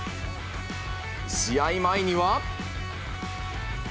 試合前には。